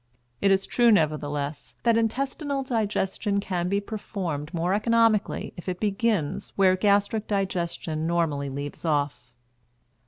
It is true, nevertheless, that intestinal digestion can be performed more economically if it begins where gastric digestion normally leaves off.